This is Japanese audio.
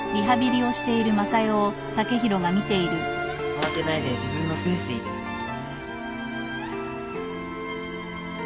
慌てないで自分のペースでいいですからね。